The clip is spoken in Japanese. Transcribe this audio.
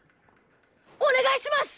おねがいします！